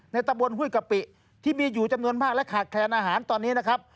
ตะบนห้วยกะปิที่มีอยู่จำนวนมากและขาดแคลนอาหารตอนนี้นะครับ